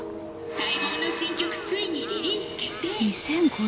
「待望の新曲ついにリリース決定」。